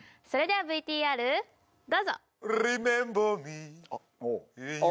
それではＶＴＲどうぞ！